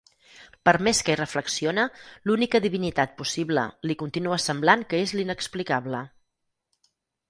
Per més que hi reflexiona, l'única divinitat possible li continua semblant que és l'inexplicable.